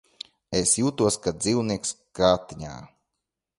Es jūtos kā dzīvnieks krātiņā.